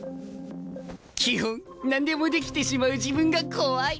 基本何でもできてしまう自分が怖い。